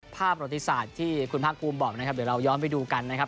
ภาพปฏิสัจที่คุณพระอุมบอกนะครับเดี๋ยวย้อนไปดูกันนะครับ